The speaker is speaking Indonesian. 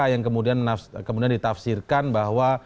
yang kemudian ditafsirkan bahwa